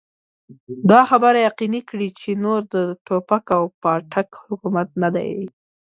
دا خبره يقيني کړي چې نور د ټوپک او پاټک حکومت نه دی.